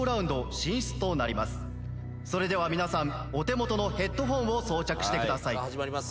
それでは皆さんお手元のヘッドホンを装着してください。